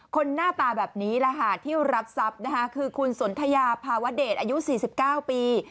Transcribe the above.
คนน่าตาแบบนี้รหัสที่รับทรัพย์คือคุณสนทยาภาวเดชอายุ๔๙ปี